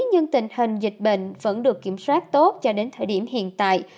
nhưng tình hình dịch bệnh vẫn được kiểm soát tốt cho đến thời điểm hiện tại